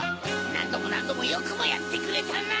なんどもなんどもよくもやってくれたな！